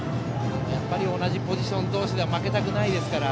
同じポジション同士では負けたくないですから。